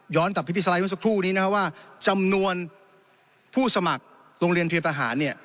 ย้อนกับพิธีสไลน์ทุกสักครู่นี้นะครับว่าจำนวนผู้สมัครโรงเรียนเพียรตะหารเนี้ย